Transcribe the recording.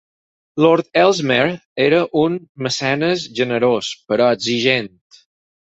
Lord Ellesmere era un mecenes generós però exigent.